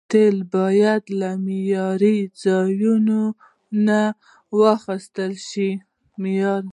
تیل باید له معياري ځایونو واخیستل شي.